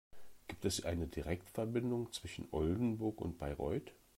Gibt es eine Direktverbindung zwischen Oldenburg und Bayreuth?